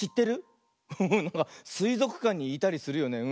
すいぞくかんにいたりするよね。